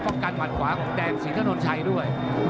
ป้อกกันหวัดขวาของแดงสินธนชัยด้วย